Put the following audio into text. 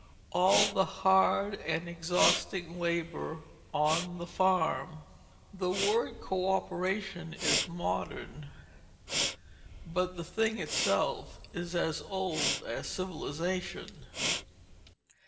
all the hard and exhausting labor on the farm. The word "coöperation" is modern, but the thing itself is as old as civilization.